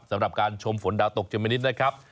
สำหรับการชมฝนดาวตกชมมินิดนะครับ